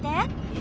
え？